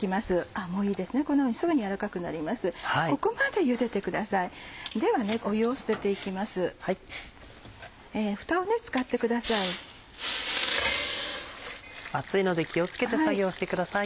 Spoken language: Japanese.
熱いので気を付けて作業してください。